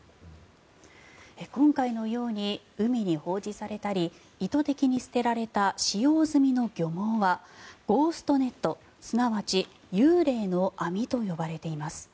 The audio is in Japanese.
今回のように海に放置されたり意図的に捨てられた使用済みの漁網はゴーストネットすなわち幽霊の網と呼ばれています。